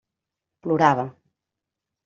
Plorava.